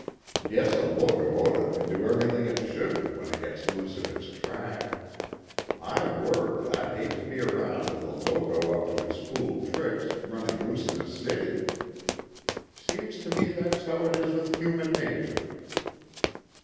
Guess a locomotive can do everything it shouldn't when it gets loose of its track. My word, I'd hate to be around with a loco up to its fool tricks, running loose in a city. Seems to me that's how it is with human nature."